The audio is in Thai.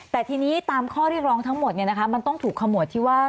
แต่ทีนี้ตามข้อเรียกร้องทั้งหมดมันต้องถูกขมวดที่ว่า